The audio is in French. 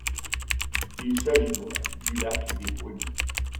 Il s'agit donc du Lac des Brumes.